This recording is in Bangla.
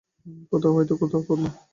কোথা হইতে কোথায় পতন!